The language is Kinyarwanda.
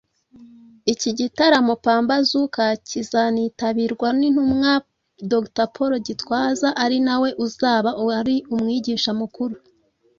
Iki gitaramo Pambazuka kizanitabirwa n’Intumwa Dr Paul Gitwaza ari nawe uzaba ari umwigisha mukuru